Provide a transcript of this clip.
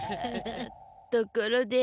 ところで。